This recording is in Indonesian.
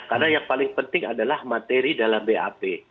karena yang paling penting adalah materi dalam bap